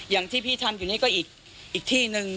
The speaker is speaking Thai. อย่างที่พี่ทำอยู่นี่ก็อีกที่หนึ่ง